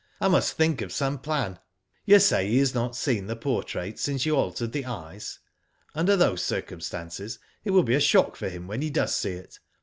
I must think of some plan. You say he has not seen the portrait since you altered the eyes. Under those circu r. stances it will be a shock for him when he does see it.